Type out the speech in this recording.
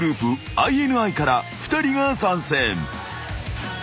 ＩＮＩから２人が参戦］